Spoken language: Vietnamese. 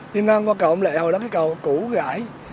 nhưng anh qua cầu ông léo đó cái cầu cũ gãi